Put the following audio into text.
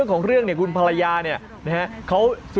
ขอบคุณว่าคุณชอบมัน